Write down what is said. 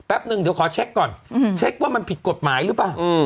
หนึ่งเดี๋ยวขอเช็คก่อนเช็คว่ามันผิดกฎหมายหรือเปล่า